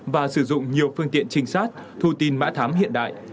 và sử dụng nhiều phương tiện trinh sát thu tin mã thám hiện đại